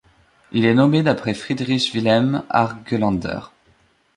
Il est nommé d'après Friedrich Wilhelm Argelander.